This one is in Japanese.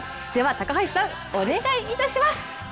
では高橋さん、お願いいたします。